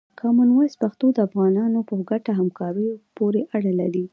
کامن وایس پښتو د افغانانو په ګډه همکاري پورې اړه لري.